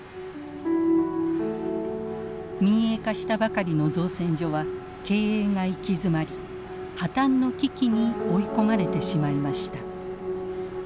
民営化したばかりの造船所は経営が行き詰まり破綻の危機に追い込まれてしまいました。